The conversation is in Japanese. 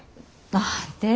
何で？